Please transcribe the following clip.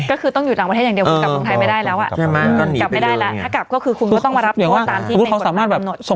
ก็คือต้องหยุดหลังประเทศอย่างเดียวคุณกลับทางไทยไม่ได้แล้วอะ